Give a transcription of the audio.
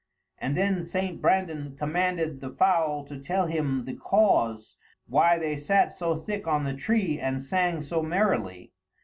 And then St. Brandan commanded the foule to tell him the cause why they sat so thick on the tree and sang so merrilie.